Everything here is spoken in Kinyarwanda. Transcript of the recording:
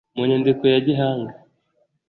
mu nyandiko ya gihanga,